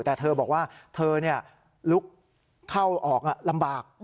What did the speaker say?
แต่เธอบอกว่าเธอลุกเข้าออกลำบาก